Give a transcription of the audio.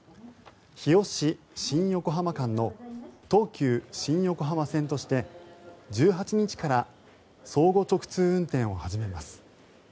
日吉新横浜間の東急新横浜線として１８日から相互直通運転を始めます。